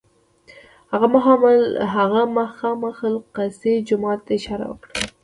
هغه مخامخ الاقصی جومات ته اشاره وکړه.